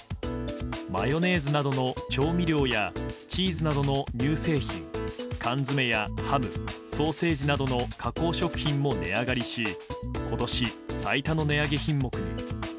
マヨネーズなどの調味料やチーズなどの乳製品缶詰やハム、ソーセージなどの加工食品も値上がりし今年最多の値上げ品目に。